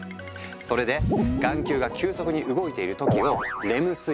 それで眼球が急速に動いている時を「レム睡眠」